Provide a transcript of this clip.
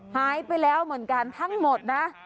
หายไปแล้วเหมือนกันทั้งหมดนะ